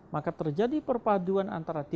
maka terjadi perpaduan antara tiga